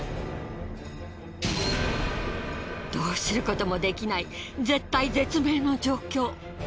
どうすることもできない絶体絶命の状況。